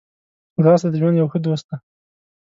ځغاسته د ژوند یو ښه دوست دی